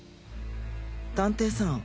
探偵さん。